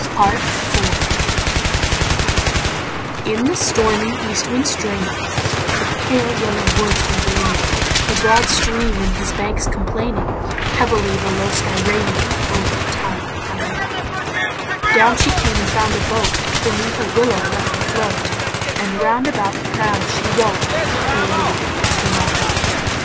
PART IV In the stormy east wind straining, The pale yellow woods were waning, The broad stream in his banks complaining, Heavily the low sky raining Over tower'd Camelot; Down she came and found a boat Beneath a willow left afloat, And round about the prow she wrote The Lady of Shalott.